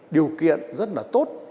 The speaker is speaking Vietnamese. điều kiện rất là tốt